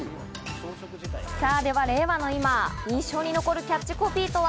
さぁでは令和の今、印象に残るキャッチコピーとは？